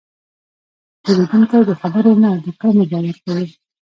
پیرودونکی د خبرو نه، د کړنو باور کوي.